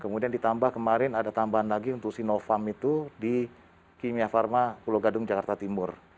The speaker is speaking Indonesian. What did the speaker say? kemudian ditambah kemarin ada tambahan lagi untuk sinovac itu di kimia pharma pulau gadung jakarta timur